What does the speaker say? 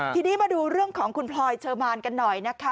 ทีนี้มาดูเรื่องของคุณพลอยเชอร์มานกันหน่อยนะคะ